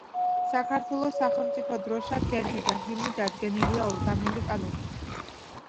საქართველოს სახელმწიფო დროშა, გერბი და ჰიმნი დადგენილია ორგანული კანონით.